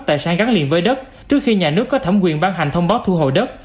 tại sáng gắn liền với đất trước khi nhà nước có thẩm quyền bán hành thông báo thu hồi đất